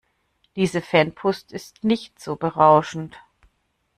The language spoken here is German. Diese Fanpost ist nicht so berauschend.